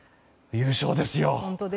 優勝ですよ。